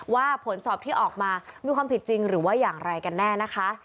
ว่าผลสอบที่ออกมามีความผิดจริงหรือว่าอย่างไรกันแน่นะคะ